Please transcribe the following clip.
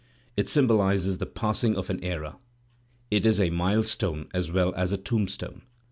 It ^mboUzes the passing of an era; it is a mile stone as well as a tomb stone.